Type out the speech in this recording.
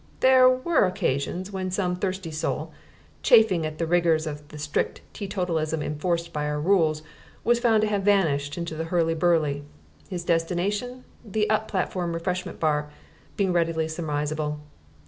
There were occasions when some thirsty soul, chafing at the rigours of the strict teetotalism enforced by our rules, was found to have vanished in the hurly burly: his destination, the up platform refreshment bar, being readily surmisable.